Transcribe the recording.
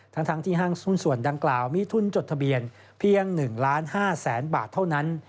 ทั้งที่ห้างหุ้นส่วนดังกล่าวมีทุนจดทะเบียนเพียง๑๕๐๐๐๐บาทเท่านั้น